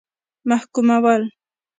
محکومول.